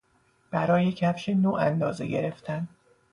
برای کفش نو اندازه گرفتن